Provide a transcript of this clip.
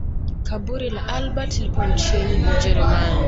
Kaburi la Albert lipo nchini Ujerumani